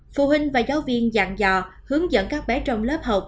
phụ huynh và giáo viên dạng dò hướng dẫn các bé trong lớp học